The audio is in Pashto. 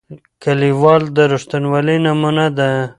لیکوال د رښتینولۍ نمونه ده.